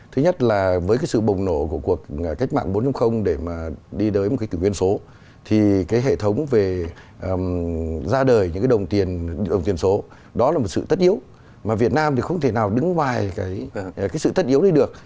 thứ nhất là với cái sự bùng nổ của cuộc cách mạng bốn để mà đi tới một cái tự nguyên số thì cái hệ thống về ra đời những cái đồng tiền đồng tiền số đó là một sự tất yếu mà việt nam thì không thể nào đứng ngoài cái sự tất yếu đấy được